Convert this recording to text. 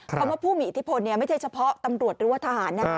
ผู้ว่าผู้มีอิทธิพลไม่ใช่เฉพาะตำรวจหรือว่าทหารนะ